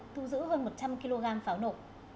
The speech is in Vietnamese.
tu giữ hơn một trăm linh kg pháo nổ